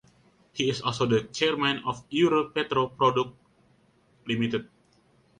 He is also the Chairman of Euro Petro Product Ltd.